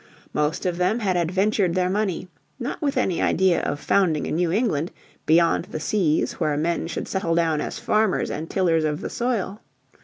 Most of them had adventured their money, not with any idea of founding a New England beyond the seas where men should settle down as farmers and tillers of the soil.